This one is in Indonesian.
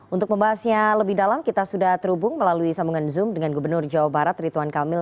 untuk membahasnya lebih dalam kita sudah terhubung melalui sambungan zoom dengan gubernur jawa barat rituan kamil